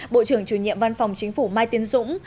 bộ trưởng chủ nhiệm văn phòng chính phủ mai tiến dũng